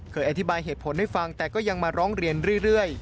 เคยอธิบายเหตุผลให้ฟังแต่ก็ยังมาร้องเรียนเรื่อย